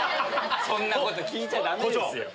そんなこと聞いちゃダメですよ。